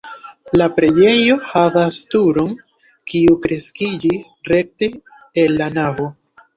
La preĝejo havas turon, kiu kreskiĝis rekte el la navo.